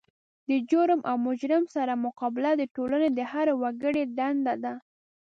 د جرم او مجرم سره مقابله د ټولنې د هر وګړي دنده ده.